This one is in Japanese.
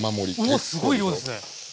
うわっすごい量ですね！